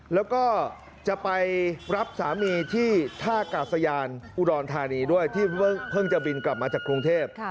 แล้วก็จะไปรับสามีที่ท่ากาศยานอุดรธานีด้วยที่เพิ่งจะบินกลับมาจากกรุงเทพ